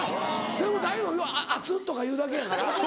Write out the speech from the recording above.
でも大丈夫「熱っ」とか言うだけやから。